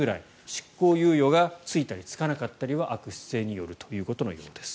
執行猶予がついたりつかなかったりは悪質性によるということのようです。